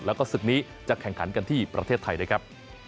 แล้วก็ศึกนี้จะแข่งขันกันที่ประเทศไทยด้วยครับ